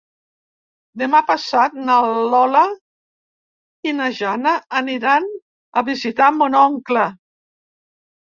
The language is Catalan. Demà passat na Lola i na Jana aniran a visitar mon oncle.